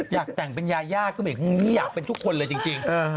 อยากแต่งเป็นยายย่าอยากเป็นทุกคนเลยจริง